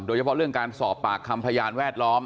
โดยเฉพาะเรื่องการสอบปากคำพยานแวดล้อม